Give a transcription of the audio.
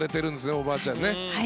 おばあちゃん。